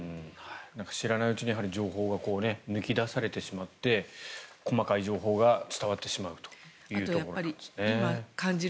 知らないうちに情報が抜き出されてしまって細かい情報が伝わってしまうということなんですね。